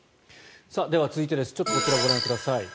では、続いてこちらをご覧ください。